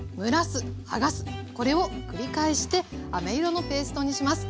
これを繰り返してあめ色のペーストにします。